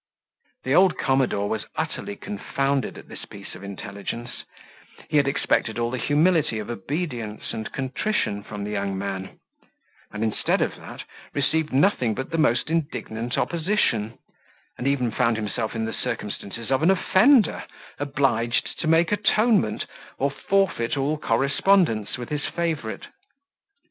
The old commodore was utterly confounded at this piece of intelligence: he had expected all the humility of obedience and contrition from the young man; and, instead of that, received nothing but the most indignant opposition, and even found himself in the circumstances of an offender, obliged to make atonement, or forfeit all correspondence with his favourite.